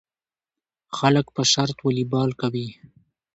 خلک په شرط والیبال کوي.